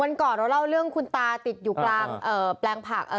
ก่อนเราเล่าเรื่องคุณตาติดอยู่กลางแปลงผัก